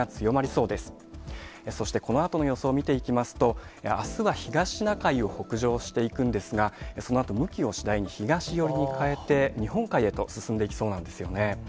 そしてこのあとの予想を見ていきますと、あすは東シナ海を北上していくんですが、そのあと、向きを次第に東寄りに変えて、日本海へと進んでいきそうなんですよね。